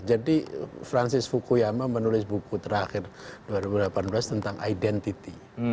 jadi francis fukuyama menulis buku terakhir dua ribu delapan belas tentang identity